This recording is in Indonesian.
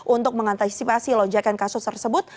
untuk mengantisipasi lonjakan kasus tersebut